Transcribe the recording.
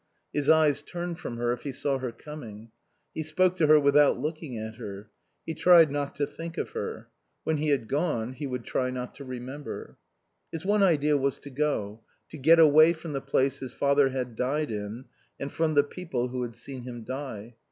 His eyes turned from her if he saw her coming. He spoke to her without looking at her. He tried not to think of her. When he had gone he would try not to remember. His one idea was to go, to get away from the place his father had died in and from the people who had seen him die.